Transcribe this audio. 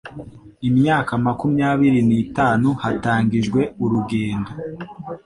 imyaka makumyabiri nitanu hatangijwe urugendo